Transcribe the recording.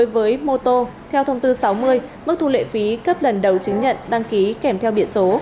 với mô tô theo thông tư sáu mươi mức thu lệ phí cấp lần đầu chứng nhận đăng ký kèm theo biển số